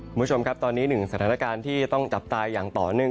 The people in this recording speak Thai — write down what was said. คุณผู้ชมครับตอนนี้หนึ่งสถานการณ์ที่ต้องจับตาอย่างต่อเนื่อง